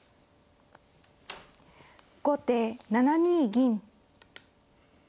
後手７二銀。